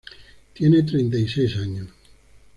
Tenía treinta y seis años.